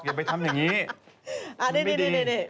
อย่าไปทำอย่างนี้มันไม่ดี